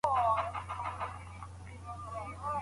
که په پوهنتونونو کي پاکي اوبه وي، نو محصلین نه تږي کیږي.